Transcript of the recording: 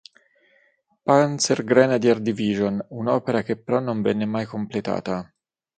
Panzergrenadier-Division, un'opera che però non venne mai completata.